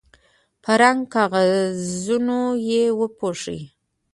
په رنګه کاغذونو یې وپوښوئ.